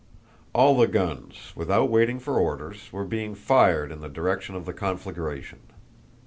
All the guns, without waiting for orders, were being fired in the direction of the conflagration.